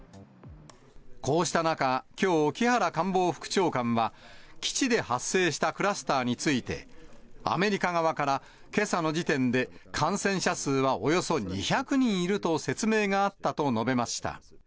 こうした中、きょう、木原官房副長官は、基地で発生したクラスターについて、アメリカ側からけさの時点で、感染者数はおよそ２００人いると説明があったと述べました。